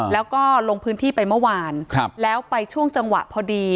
แล้วก็ลงพื้นที่ไปเมื่อวานแล้วไปช่วงจังหวะพอดี